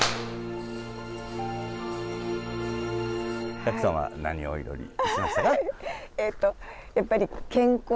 賀来さんは何をお祈りしましたか？